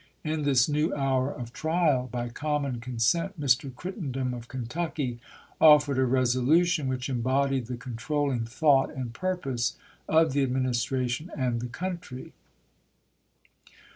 In this new hour of trial, by common consent, Mr. Crittenden of Kentucky offered a resolution which embodied the controlling thought and purpose of the Administration and the country.